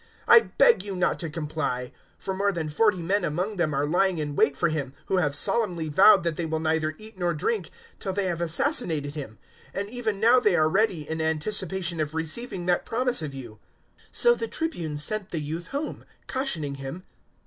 023:021 I beg you not to comply; for more than forty men among them are lying in wait for him, who have solemnly vowed that they will neither eat nor drink till they have assassinated him; and even now they are ready, in anticipation of receiving that promise of you." 023:022 So the Tribune sent the youth home, cautioning him.